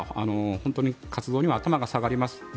本当に活動には頭が下がります。